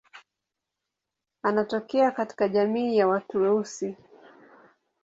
Anatokea katika jamii ya watu weusi.